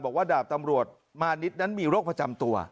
ดาบตำรวจมานิดนั้นมีโรคประจำตัว